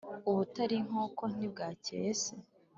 ubutari inkoko ntibwakeye se,